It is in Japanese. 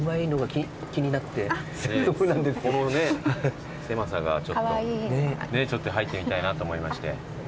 このね狭さがちょっと入ってみたいなと思いまして。